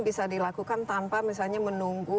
bisa dilakukan tanpa misalnya menunggu